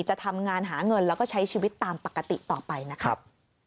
จะทำงานหาเงินแล้วก็ใช้ชีวิตตามปกติต่อไปนะครับ